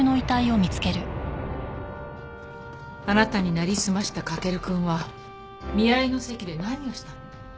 あなたになりすました駆くんは見合いの席で何をしたの？